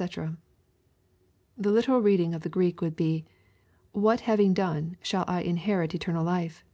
'\ The literal rendering of the Greek would be, " What having done, shall I inherit eternal life